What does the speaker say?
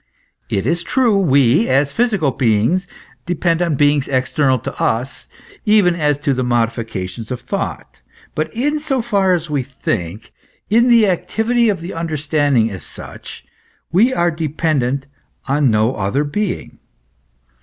It is true, we, as physical beings, depend on the beings external to us, even as to the modifications of thought ; but in so far as we think, in the activity of the understanding as such, we are depen dent on no other being.